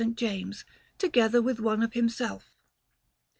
James, together with one of himself.